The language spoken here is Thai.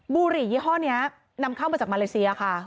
บุหรี่ยี่ห้อนี้นำเข้ามาจากมาเลเซียค่ะ